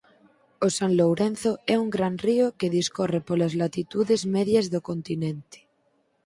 O San Lourenzo é un gran río que discorre polas latitudes medias do continente.